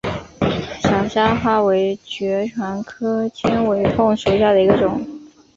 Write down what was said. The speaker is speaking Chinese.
小虾花为爵床科尖尾凤属下的一个种。